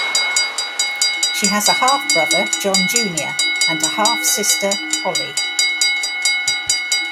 She has a half-brother, John, Junior and a half-sister, Holly.